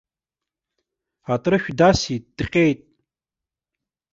Атрышә дасит, дҟьеит.